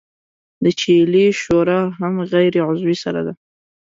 د چیلې شوره هم غیر عضوي سره ده.